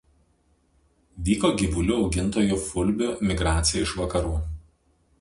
Vyko gyvulių augintojų fulbių migracija iš vakarų.